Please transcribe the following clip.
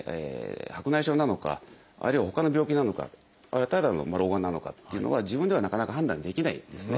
白内障なのかあるいはほかの病気なのかあるいはただの老眼なのかっていうのは自分ではなかなか判断できないんですね。